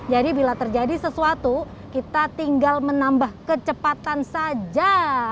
jadi bila terjadi sesuatu kita tinggal menambah kecepatan saja